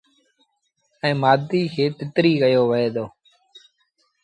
ائيٚݩ مآڌيٚ کي تتريٚ ڪيو وهي دو۔